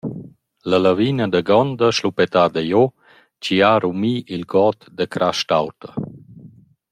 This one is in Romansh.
La lavina da Gonda, schluppettada giò, chi’d ha rumi il god da Crast’auta.